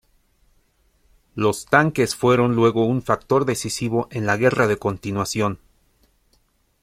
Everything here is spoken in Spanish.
Los tanques fueron luego un factor decisivo en la Guerra de Continuación.